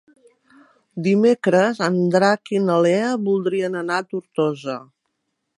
Dimecres en Drac i na Lea voldrien anar a Tortosa.